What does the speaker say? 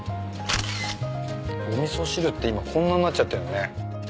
お味噌汁って今こんなんなっちゃってるのね。